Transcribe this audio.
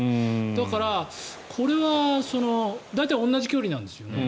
だから、これは大体同じ距離なんですよね。